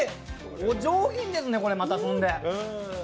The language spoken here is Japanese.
お上品ですね、これまたそんで。